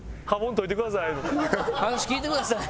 「話聞いてください」。